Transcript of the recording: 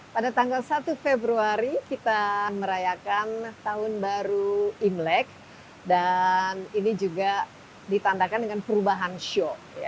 pada tanggal satu februari kita merayakan tahun baru imlek dan ini juga ditandakan dengan perubahan show